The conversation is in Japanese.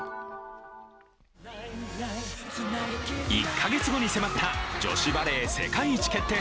１カ月後に迫った女子バレー世界一決定